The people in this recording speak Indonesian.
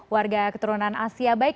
warga keturunan asia baik